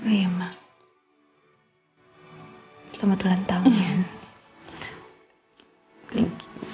kamu ingat pilih ikan aku